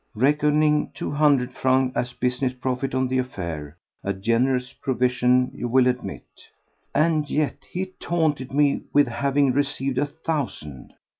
Reckoning two hundred francs as business profit on the affair, a generous provision you will admit! And yet he taunted me with having received a thousand.